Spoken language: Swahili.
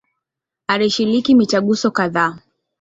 Alishiriki mitaguso kadhaa.